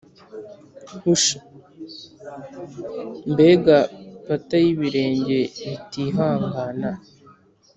hush! mbega patter y'ibirenge bitihangana